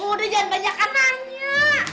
udah jangan banyak nanya